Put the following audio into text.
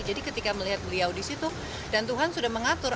jadi ketika melihat beliau di situ dan tuhan sudah mengatur